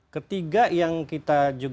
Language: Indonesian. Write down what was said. ketiga yang kita juga